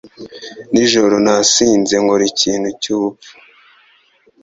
Nijoro nasinze nkora ikintu cyubupfu.